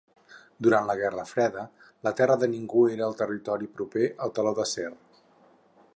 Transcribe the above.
Durant la Guerra Freda la terra de ningú era el territori proper al Teló d'acer.